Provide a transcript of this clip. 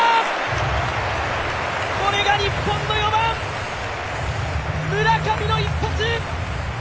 これが日本の４番・村上の一発！